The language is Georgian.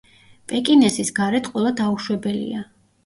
პეკინესის გარეთ ყოლა დაუშვებელია.